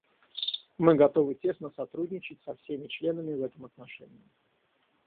Мы готовы тесно сотрудничать со всеми членами в этом отношении.